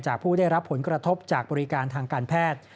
ผู้ได้รับผลกระทบจากบริการทางการแพทย์